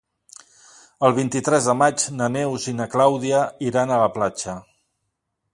El vint-i-tres de maig na Neus i na Clàudia iran a la platja.